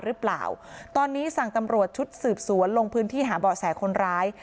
หรือเปล่าตอนนี้สั่งตำรวจชุดสืบสวนลงพื้นที่หาเบาะแสคนร้าย